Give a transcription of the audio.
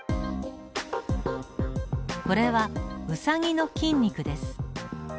これはウサギの筋肉です。